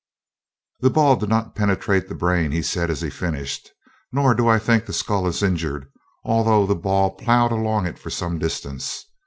"The ball did not penetrate the brain," he said, as he finished, "nor do I think the skull is injured, although the ball plowed along it for some distance.